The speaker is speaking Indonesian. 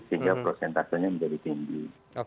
sehingga prosentasenya menjadi tinggi